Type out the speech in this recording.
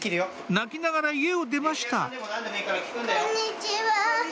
泣きながら家を出ましたこんにちは。